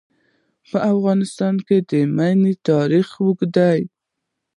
په افغانستان کې د منی تاریخ اوږد دی.